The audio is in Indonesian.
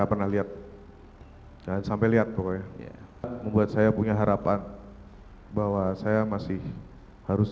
pernah lihat dan sampai lihat pokoknya membuat saya punya harapan bahwa saya masih harus